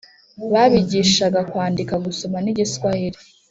babigishaga kwandika, gusoma n'igiswahili.